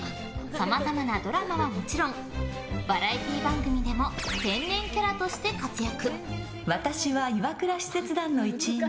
さまざまなドラマはもちろんバラエティー番組でも天然キャラとして活躍。